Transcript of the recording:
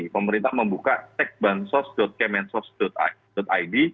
pemerintah membuka techbansource kemensource id